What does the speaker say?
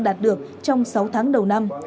đạt được trong sáu tháng đầu năm